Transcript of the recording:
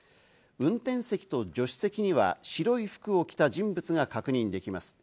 運転席と助手席には、白い服を着た人物が確認できます。